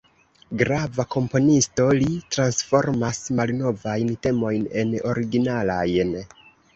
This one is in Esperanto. Grava komponisto, li transformas malnovajn temojn en originalajn.